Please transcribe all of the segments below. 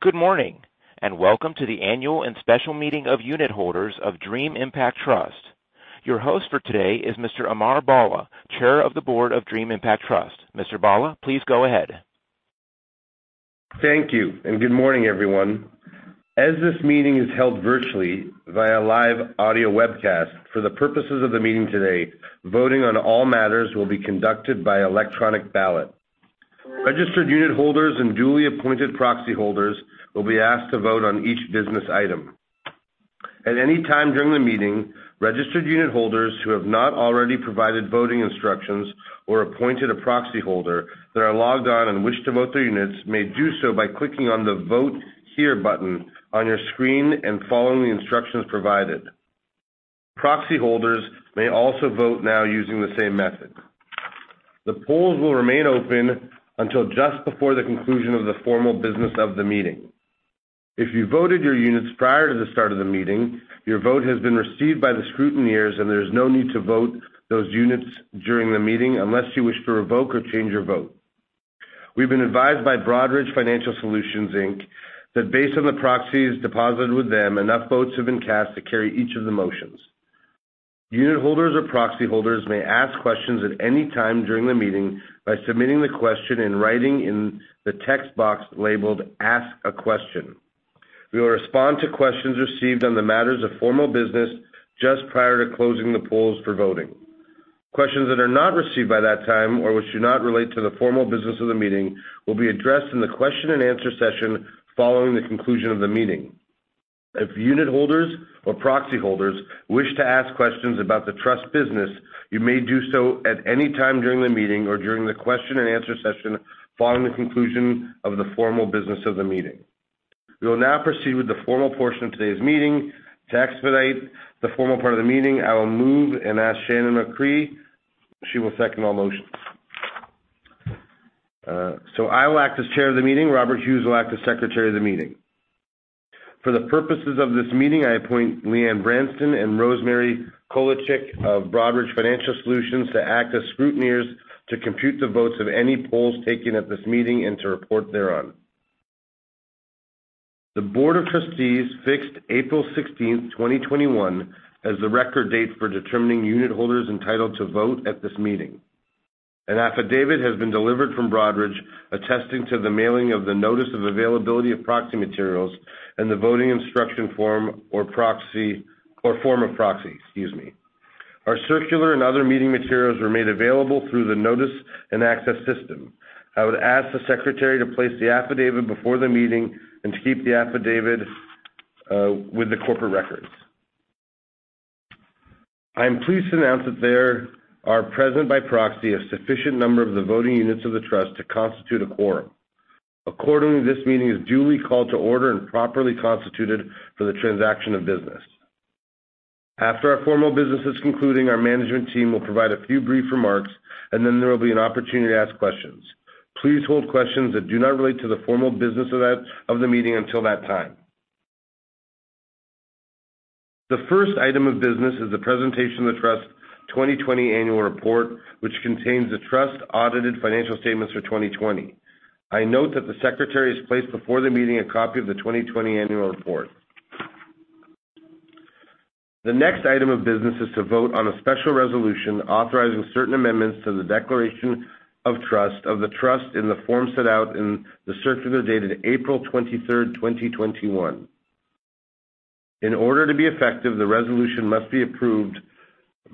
Good morning, and welcome to the Annual and Special Meeting of Unitholders of Dream Impact Trust. Your host for today is Mr. Amar Bhalla, Chair of the Board of Dream Impact Trust. Mr. Bhalla, please go ahead. Thank you, good morning, everyone. As this meeting is held virtually via live audio webcast, for the purposes of the meeting today, voting on all matters will be conducted by electronic ballot. Registered unitholders and duly appointed proxy holders will be asked to vote on each business item. At any time during the meeting, registered unitholders who have not already provided voting instructions or appointed a proxy holder, that are logged on and wish to vote their units, may do so by clicking on the Vote Here button on your screen and following the instructions provided. Proxy holders may also vote now using the same method. The polls will remain open until just before the conclusion of the formal business of the meeting. If you voted your units prior to the start of the meeting, your vote has been received by the scrutineers, and there is no need to vote those units during the meeting unless you wish to revoke or change your vote. We've been advised by Broadridge Financial Solutions, Inc., that based on the proxies deposited with them, enough votes have been cast to carry each of the motions. Unitholders or proxy holders may ask questions at any time during the meeting by submitting the question in writing in the text box labeled Ask a Question. We will respond to questions received on the matters of formal business just prior to closing the polls for voting. Questions that are not received by that time or which do not relate to the formal business of the meeting, will be addressed in the question and answer session following the conclusion of the meeting. If unitholders or proxy holders wish to ask questions about the trust business, you may do so at any time during the meeting or during the question and answer session, following the conclusion of the formal business of the meeting. We will now proceed with the formal portion of today's meeting. To expedite the formal part of the meeting, I will move and ask Shannon McCree. She will second all motions. I will act as Chair of the meeting. Robert Hughes will act as Secretary of the meeting. For the purposes of this meeting, I appoint Lee-Ann Thurston and Rosemarie Kolic of Broadridge Financial Solutions to act as Scrutineers, to compute the votes of any polls taken at this meeting and to report thereon. The board of trustees fixed April 16, 2021, as the record date for determining unitholders entitled to vote at this meeting. An affidavit has been delivered from Broadridge, attesting to the mailing of the notice of availability of proxy materials and the voting instruction form or form of proxy, excuse me. Our circular and other meeting materials were made available through the notice-and-access system. I would ask the secretary to place the affidavit before the meeting and to keep the affidavit with the corporate records. I am pleased to announce that there are present by proxy, a sufficient number of the voting units of the trust to constitute a quorum. Accordingly, this meeting is duly called to order and properly constituted for the transaction of business. After our formal business is concluding, our management team will provide a few brief remarks. Then there will be an opportunity to ask questions. Please hold questions that do not relate to the formal business of the meeting until that time. The first item of business is the presentation of the trust 2020 annual report, which contains the trust audited financial statements for 2020. I note that the secretary has placed before the meeting a copy of the 2020 annual report. The next item of business is to vote on a special resolution authorizing certain amendments to the declaration of trust, of the trust in the form set out in the circular dated April 23rd, 2021. In order to be effective, the resolution must be approved by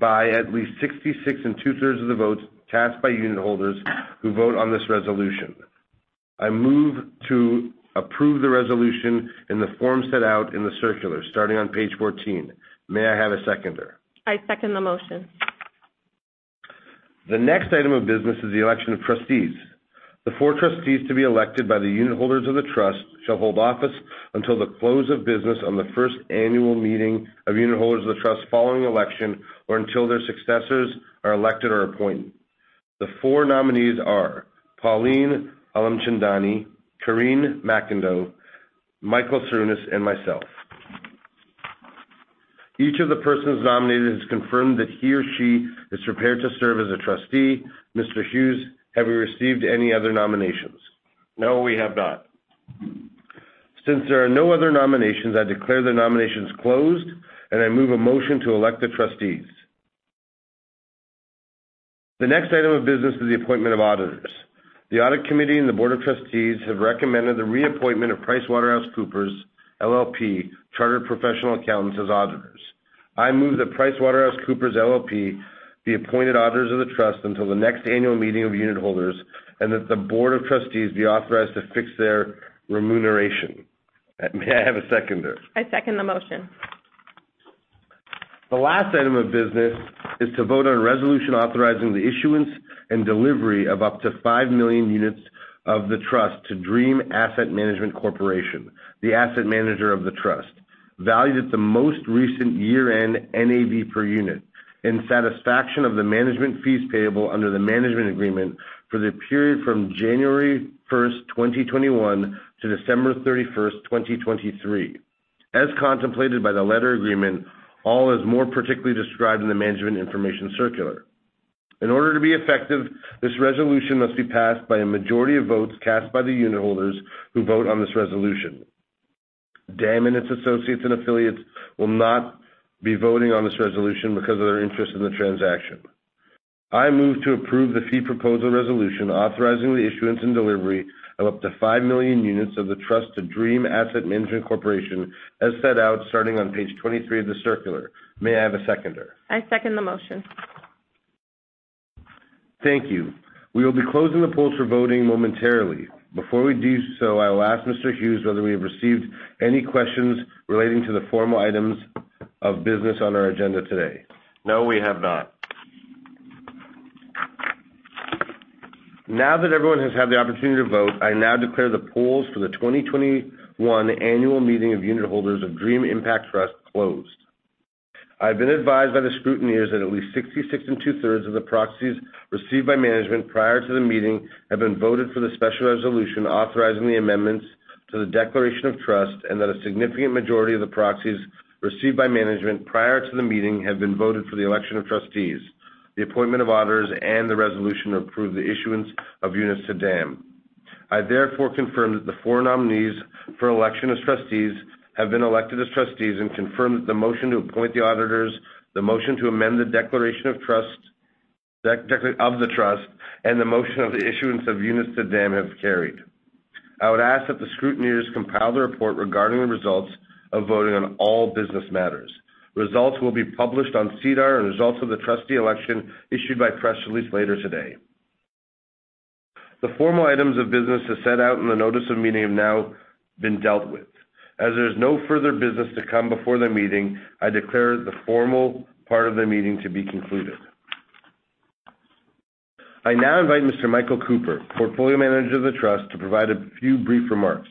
at least 66 and 2/3 of the votes cast by unitholders who vote on this resolution. I move to approve the resolution in the form set out in the circular, starting on page 14. May I have a seconder? I second the motion. The next item of business is the election of trustees. The four trustees to be elected by the unitholders of the trust, shall hold office until the close of business on the first annual meeting of unitholders of the trust, following election, or until their successors are elected or appointed. The four nominees are Pauline Alimchandani, Karine MacIndoe, Michael J. Cooper, and myself. Each of the persons nominated has confirmed that he or she is prepared to serve as a trustee. Mr. Hughes, have we received any other nominations? No, we have not. Since there are no other nominations, I declare the nominations closed, and I move a motion to elect the trustees. The next item of business is the appointment of auditors. The audit committee and the board of trustees have recommended the reappointment of PricewaterhouseCoopers LLP, Chartered Professional Accountants, as auditors. I move that PricewaterhouseCoopers LLP, be appointed auditors of the trust until the next annual meeting of unitholders, and that the board of trustees be authorized to fix their remuneration. May I have a seconder? I second the motion. The last item of business is to vote on a resolution authorizing the issuance and delivery of up to five million units of the trust to Dream Asset Management Corporation, the asset manager of the trust, valued at the most recent year-end NAV per unit, in satisfaction of the management fees payable under the management agreement for the period from January 1, 2021 to December 31, 2023. As contemplated by the letter agreement, all as more particularly described in the Management Information Circular. In order to be effective, this resolution must be passed by a majority of votes cast by the unitholders who vote on this resolution. DAM and its associates and affiliates will not be voting on this resolution because of their interest in the transaction. I move to approve the fee proposal resolution authorizing the issuance and delivery of up to five million units of the trust to Dream Asset Management Corporation, as set out starting on page 23 of the circular. May I have a seconder? I second the motion. Thank you. We will be closing the polls for voting momentarily. Before we do so, I will ask Mr. Hughes whether we have received any questions relating to the formal items of business on our agenda today. No, we have not. Now that everyone has had the opportunity to vote, I now declare the polls for the 2021 annual meeting of unitholders of Dream Impact Trust closed. I've been advised by the scrutineers that at least 66 and 2/3 of the proxies received by management prior to the meeting have been voted for the special resolution, authorizing the amendments to the declaration of trust, and that a significant majority of the proxies received by management prior to the meeting have been voted for the election of trustees, the appointment of auditors, and the resolution to approve the issuance of units to DAM. I, therefore, confirm that the four nominees for election as trustees have been elected as trustees and confirm that the motion to appoint the auditors, the motion to amend the declaration of trust, and the motion of the issuance of units to DAM have carried. I would ask that the scrutineers compile the report regarding the results of voting on all business matters. Results will be published on SEDAR, and results of the trustee election issued by press release later today. The formal items of business as set out in the notice of meeting have now been dealt with. As there is no further business to come before the meeting, I declare the formal part of the meeting to be concluded. I now invite Mr. Michael Cooper, Portfolio Manager of the trust, to provide a few brief remarks.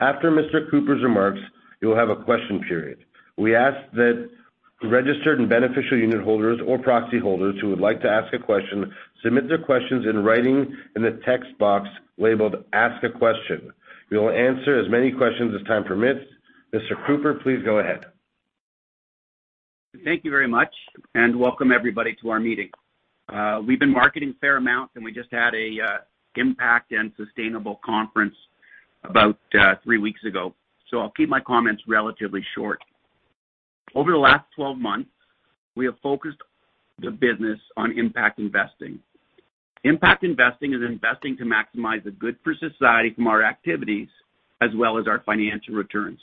After Mr. Cooper's remarks, you will have a question period. We ask that registered and beneficial unitholders or proxy holders who would like to ask a question, submit their questions in writing in the text box labeled, Ask a Question. We will answer as many questions as time permits. Mr. Cooper, please go ahead. Thank you very much. Welcome everybody to our meeting. We've been marketing fair amount, and we just had a impact and sustainable conference about three weeks ago. I'll keep my comments relatively short. Over the last 12 months, we have focused the business on impact investing. Impact investing is investing to maximize the good for society from our activities, as well as our financial returns.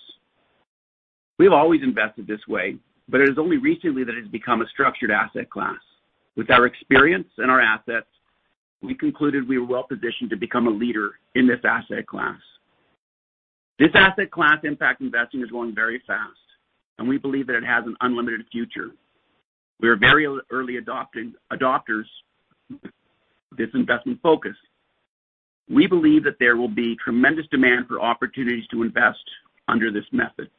We've always invested this way, but it is only recently that it's become a structured asset class. With our experience and our assets, we concluded we were well positioned to become a leader in this asset class. This asset class, impact investing, is growing very fast, and we believe that it has an unlimited future. We are very early adopters of this investment focus. We believe that there will be tremendous demand for opportunities to invest under this method.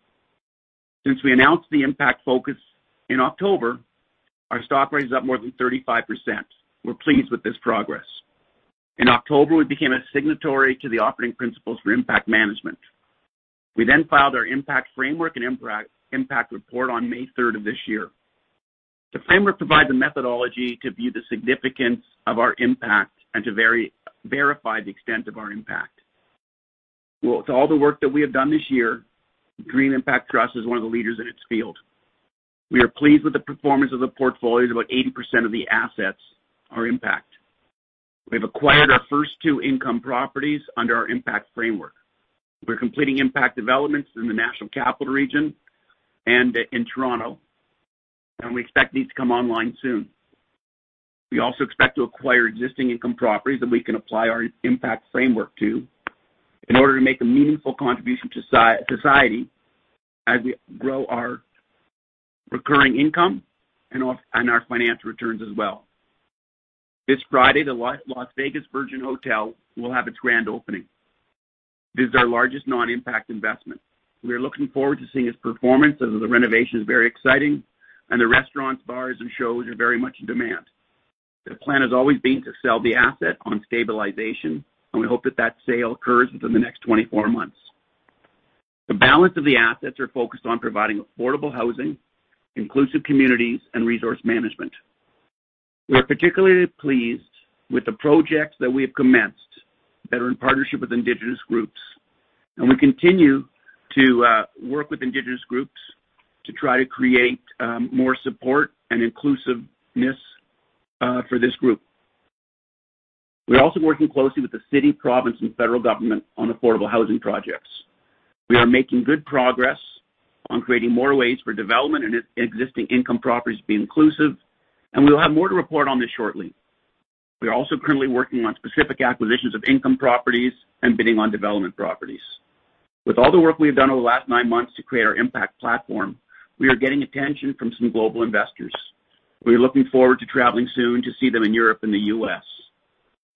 Since we announced the impact focus in October, our stock rate is up more than 35%. We're pleased with this progress. In October, we became a signatory to the Operating Principles for Impact Management. We filed our impact framework and impact report on May 3rd of this year. The framework provides a methodology to view the significance of our impact and to verify the extent of our impact. Well, with all the work that we have done this year, Dream Impact Trust is one of the leaders in its field. We are pleased with the performance of the portfolio, as about 80% of the assets are impact. We've acquired our first two income properties under our impact framework. We're completing impact developments in the National Capital Region and in Toronto. We expect these to come online soon. We also expect to acquire existing income properties that we can apply our impact framework to in order to make a meaningful contribution to society as we grow our recurring income and our financial returns as well. This Friday, the Virgin Hotels Las Vegas will have its grand opening. This is our largest non-impact investment. We are looking forward to seeing its performance, as the renovation is very exciting, and the restaurants, bars, and shows are very much in demand. The plan has always been to sell the asset on stabilization, and we hope that that sale occurs within the next 24 months. The balance of the assets are focused on providing affordable housing, inclusive communities, and resource management. We are particularly pleased with the projects that we have commenced that are in partnership with indigenous groups. We continue to work with indigenous groups to try to create more support and inclusiveness for this group. We're also working closely with the city, province, and federal government on affordable housing projects. We are making good progress on creating more ways for development and existing income properties to be inclusive, and we will have more to report on this shortly. We are also currently working on specific acquisitions of income properties and bidding on development properties. With all the work we have done over the last nine months to create our impact platform, we are getting attention from some global investors. We are looking forward to traveling soon to see them in Europe and the U.S.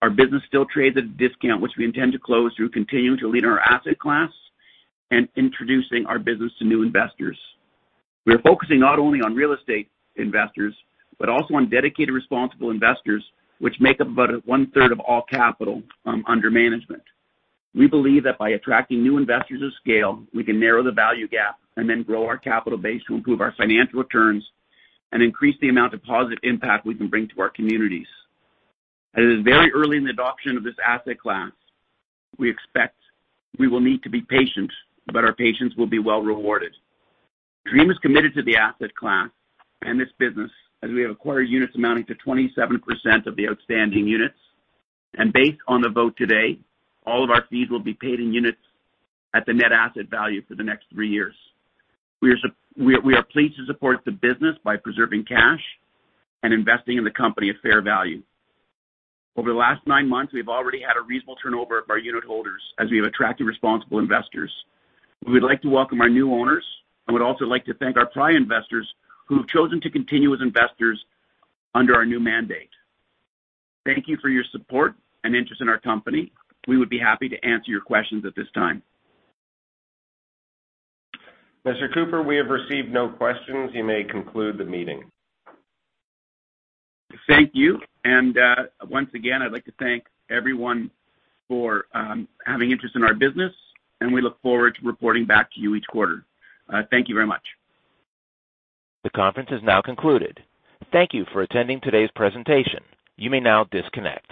Our business still trades at a discount, which we intend to close through continuing to lead our asset class and introducing our business to new investors. We are focusing not only on real estate investors, but also on dedicated, responsible investors, which make up about 1/3 of all capital under management. We believe that by attracting new investors of scale, we can narrow the value gap and then grow our capital base to improve our financial returns and increase the amount of positive impact we can bring to our communities. As it is very early in the adoption of this asset class, we expect we will need to be patient, but our patience will be well rewarded. DREAM is committed to the asset class and this business, as we have acquired units amounting to 27% of the outstanding units. Based on the vote today, all of our fees will be paid in units at the net asset value for the next three years. We are pleased to support the business by preserving cash and investing in the company at fair value. Over the last nine months, we've already had a reasonable turnover of our unitholders, as we have attracted responsible investors. We would like to welcome our new owners and would also like to thank our prior investors who have chosen to continue as investors under our new mandate. Thank you for your support and interest in our company. We would be happy to answer your questions at this time. Mr. Cooper, we have received no questions. You may conclude the meeting. Thank you. Once again, I'd like to thank everyone for having interest in our business, and we look forward to reporting back to you each quarter. Thank you very much. The conference is now concluded. Thank you for attending today's presentation. You may now disconnect.